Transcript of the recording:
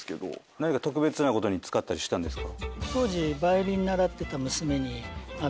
何か特別なことに使ったりしたんですか？